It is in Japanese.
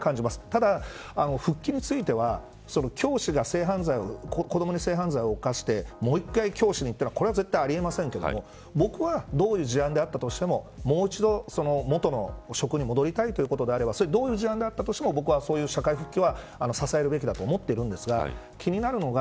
ただ、復帰については教師が子どもに性犯罪を犯してもう一回教師にというのはこれは絶対にありえませんけれども僕はどういう事案だったとしてももう一度、元の職に戻りたいということであればどういう事案だとしても僕はそういう社会復帰は支えるべきだと思ってるんですが気になるのが